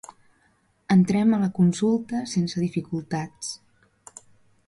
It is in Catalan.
Entrem a la consulta sense dificultats.